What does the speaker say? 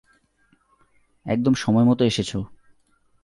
একদম সময় মতো এসেছো।